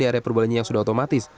di area perbelanja yang sudah otomatis